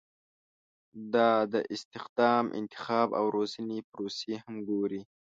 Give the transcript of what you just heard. دا د استخدام، انتخاب او روزنې پروسې هم ګوري.